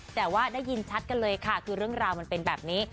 แต่ว่าได้ยินชัดกันเลยค่ะคือเรื่องราวมันเป็นแบบนี้